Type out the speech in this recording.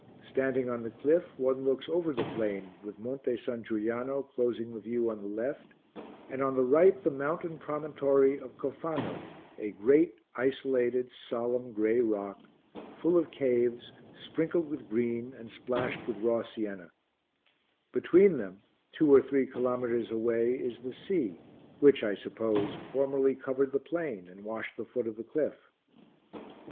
Standing on the cliff one looks over the plain with Monte San Giuliano closing the view on the left and on the right the mountain promontory of Cofano, a great, isolated, solemn, grey rock, full of caves, sprinkled with green and splashed with raw sienna; between them, two or three kilometres away, is the sea which, I suppose, formerly covered the plain and washed the foot of the cliff.